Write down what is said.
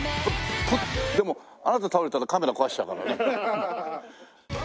でもあなた倒れたらカメラ壊しちゃうからね。